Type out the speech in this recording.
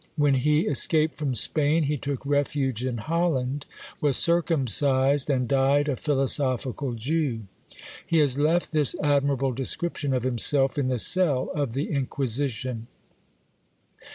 When he escaped from Spain he took refuge in Holland, was circumcised, and died a philosophical Jew. He has left this admirable description of himself in the cell of the Inquisition.